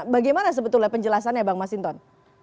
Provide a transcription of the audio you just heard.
bagaimana sebetulnya penjelasannya bang mas hinton